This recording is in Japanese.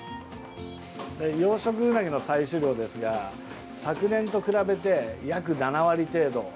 養殖ウナギの採取量ですが昨年と比べて約７割程度。